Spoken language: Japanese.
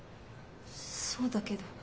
そうだけど。